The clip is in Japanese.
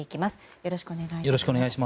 よろしくお願いします。